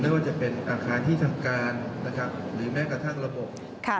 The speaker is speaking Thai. ว่าจะเป็นอาคารที่ทำการนะครับหรือแม้กระทั่งระบบ